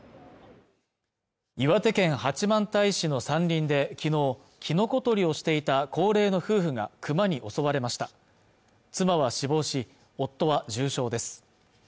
岩手県八幡平市の山林できのうキノコ採りをしていた高齢の夫婦がクマに襲われました妻は死亡し夫は重傷です